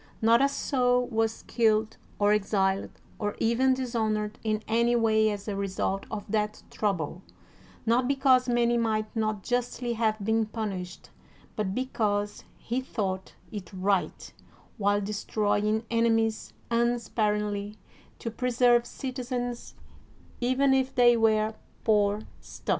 Not a soul was killed or exiled or even dishonored in any way as a result of that trouble, not because many might not justly have been pimished, but beciause he thought it right while destroying enemies un sparingly, to preserve citizens, even if they were poor stuff.